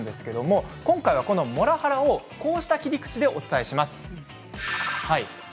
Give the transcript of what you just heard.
今回はこのモラハラをこうした切り口でお伝えします。